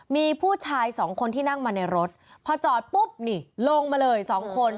มีผู้ชายสองคนที่นั่งมาในรถพอจอดปุ๊บนี่ลงมาเลยสองคน